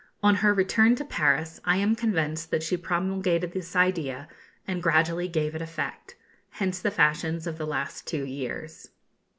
On her return to Paris I am convinced that she promulgated this idea, and gradually gave it effect. Hence the fashions of the last two years.